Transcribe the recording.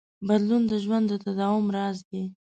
بدلون د ژوند د تداوم راز دی.